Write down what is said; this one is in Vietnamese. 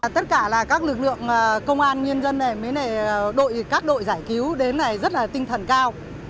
tất cả là các lực lượng công an nhân dân này với các đội giải cứu đến này rất là tinh thần cao